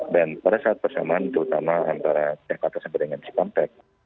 dan pada saat bersamaan terutama antara jakarta sampai dengan cikampek